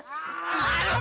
ya ampun seragam